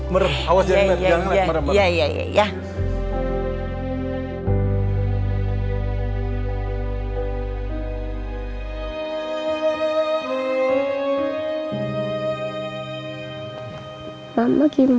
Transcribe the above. merem awas jangan merem